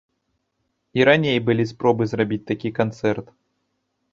І раней былі спробы зрабіць такі канцэрт.